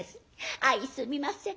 「相すみません。